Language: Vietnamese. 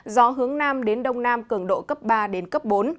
gió hướng nam đến đông nam cường độ cấp ba bốn